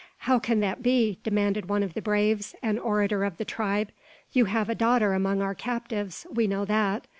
"How can that be?" demanded one of the braves, an orator of the tribe. "You have a daughter among our captives; we know that.